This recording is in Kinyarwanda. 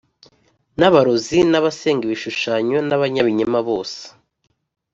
n’abarozi n’abasenga ibishushanyo n’abanyabinyoma bose,